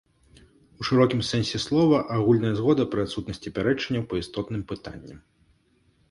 У шырокім сэнсе слова агульная згода пры адсутнасці пярэчанняў па істотным пытанням.